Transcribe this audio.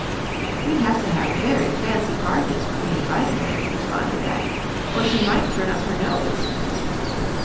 "We'd have to have very fancy parties when we invited her," responded Beth, "or she might turn up her nose."